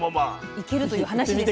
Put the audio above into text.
いけるという話です。